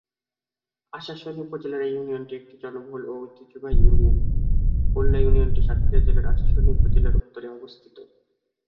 আশাশুনি উপজেলার এই ইউনিয়নটি একটি জনবহুল ও ঐতিহ্যবাহী ইউনিয়ন, কুল্যা ইউনিয়নটি সাতক্ষীরা জেলার আশাশুনি উপজেলার উত্তরে অবস্থিত।